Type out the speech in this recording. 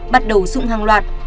bắt đầu dụng hàng loạt